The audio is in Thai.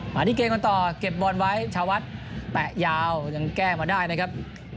มาที่เกมกันต่อเก็บบอลไว้ชาวัดแปะยาวยังแก้มาได้นะครับ